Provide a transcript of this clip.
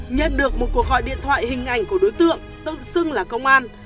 nhận được một cuộc gọi điện thoại hình ảnh của đối tượng tự xưng là công an